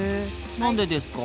何でですか？